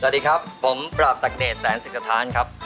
สวัสดีครับผมปราบศักดิเดตแสนสิทธานครับ